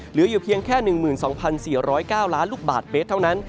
เหลืออยู่เพียงแค่๑๒๔๐๙ล้านลูกบาทเมตรเท่านั้น